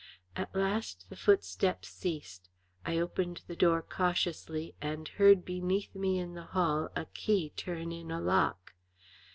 At last the footsteps ceased. I opened the door cautiously and heard beneath me in the hall a key turn in a lock.